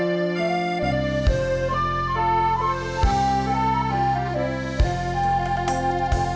นะครับ